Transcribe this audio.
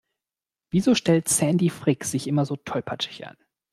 Wieso stellt Sandy Frick sich immer so tollpatschig an?